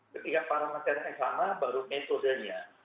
ketika parameternya sama baru metodenya